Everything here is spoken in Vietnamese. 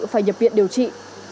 phải nhập viện điều trị